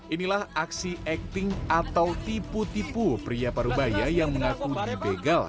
inilah aksi akting atau tipu tipu pria parubaya yang mengaku dibegal